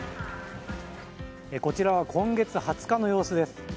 こちらは今月２０日の様子です。